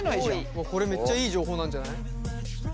これめっちゃいい情報なんじゃない？